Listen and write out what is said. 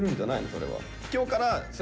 それは。